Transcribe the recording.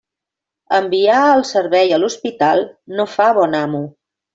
Enviar el servei a l'hospital no fa bon amo.